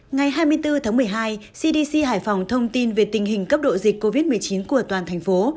ngày hai mươi bốn tháng một mươi hai cdc hải phòng thông tin về tình hình cấp độ dịch covid một mươi chín của toàn thành phố